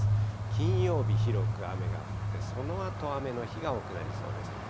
金曜日広く雨が降って、そのあと、雨の日が多くなりそうです。